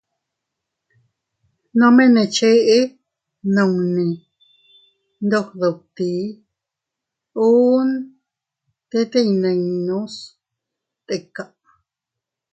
Nome ne cheʼe nunni ndog dutti, uun tete iynninnu stika.